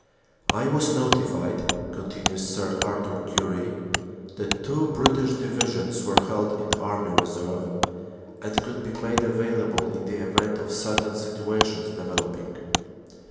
"I was notified," continues Sir Arthur Currie, "that two British Divisions were held in Army Reserve, and could be made available in the event of certain situations developing.